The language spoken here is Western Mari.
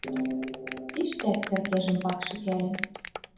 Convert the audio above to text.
Тиштӓк цӓркӓжӹм пак шӹкӓлӹн